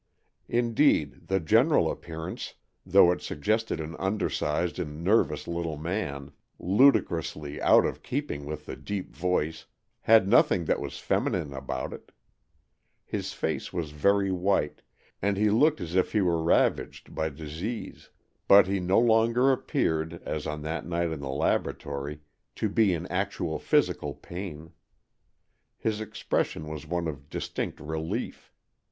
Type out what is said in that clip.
Indeed, the general appear ance, though it suggested an undersized and nervous little man, ludicrously out of keep ing with the deep voice, had nothing that was feminine about it. His face was very 200 AN EXCHANGE OF SOULS 201 white, and he looked as if he were ravaged by disease, but he no longer appeared, as on that night in the laboratory, to be in actual physical pain. His expression was one of distinct relief.